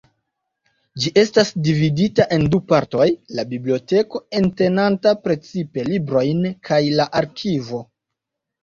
Ĝi estas dividita en du partoj: la biblioteko, entenanta precipe librojn, kaj la arkivo.